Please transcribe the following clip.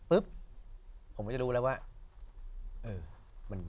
ผมก็จะรู้แล้วว่า